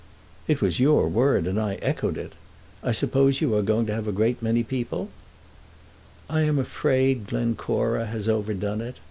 "It was your word, and I echoed it. I suppose you are going to have a great many people?" "I am afraid Glencora has overdone it.